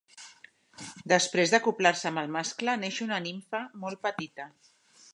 Després d'acoblar-se amb el mascle neix una nimfa molt petita.